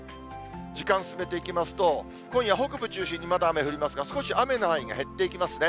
時間進めていきますと、今夜、北部中心にまだ雨降りますが、少し雨の範囲が減っていきますね。